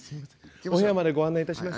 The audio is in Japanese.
「お部屋までご案内いたします」。